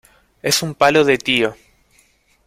Es un palo de tío.